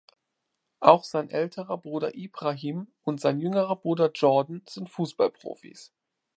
Auch sein älterer Bruder Ibrahim und sein jüngerer Bruder Jordan sind Fußballprofis.